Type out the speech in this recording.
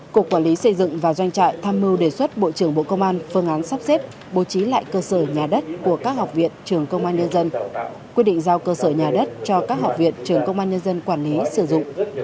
cục quản lý xây dựng và doanh trại tham mưu đề xuất bộ trưởng bộ công an phương án sắp xếp bố trí lại cơ sở nhà đất của các học viện trường công an nhân dân quyết định giao cơ sở nhà đất cho các học viện trường công an nhân dân quản lý sử dụng